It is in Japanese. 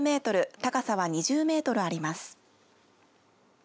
高さは２０メートルあります。